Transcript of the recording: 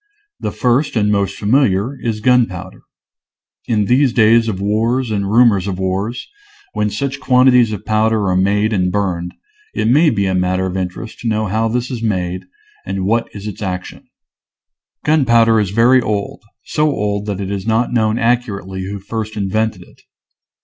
The first and most familiar is gunpowder. In these days of wars and rumors of wars, when such quanti ties of powder are made and burned, it may be a matter of interest to know how this is made and what is its action. Gunpowder is very old, so old that it is not known accurately who first invented it.